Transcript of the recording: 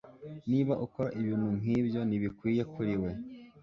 Niba ukora ibintu nkibyo ntibikwiye kuri we